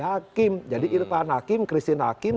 hakim jadi irfan hakim christine hakim